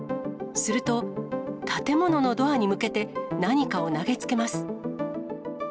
すると、建物のドアに向けて何かを投げつけます。